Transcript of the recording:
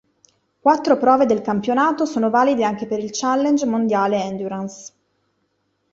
Quattro prove del Campionato sono valide anche per il Challenge mondiale endurance.